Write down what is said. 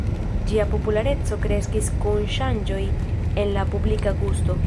Ĝia populareco kreskis kun ŝanĝoj en la publika gusto.